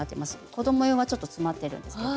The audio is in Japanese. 子ども用はちょっとつまってるんですけど。